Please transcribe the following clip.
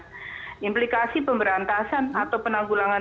aplikasi pemberantasan atau penanggulangan